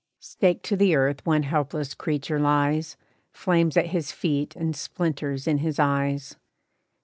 Staked to the earth one helpless creature lies, Flames at his feet and splinters in his eyes.